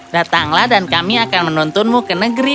datanglah dan kami akan menuntunmu ke negeri